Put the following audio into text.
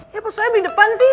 ya apa soalnya beli depan sih